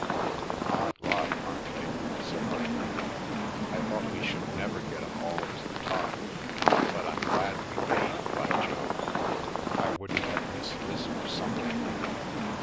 "An odd lot, aren't they?" said Arthur. "I thought we should never get 'em all to the top. But I'm glad we came, by Jove! I wouldn't have missed this for something."